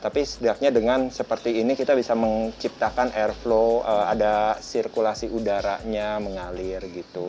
tapi setidaknya dengan seperti ini kita bisa menciptakan air flow ada sirkulasi udaranya mengalir gitu